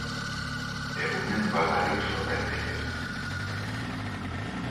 egunez bakarrik sor daiteke